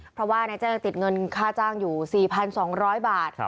เพราะว่านายจ้างติดเงินค่าจ้างอยู่๔๒๐๐บาท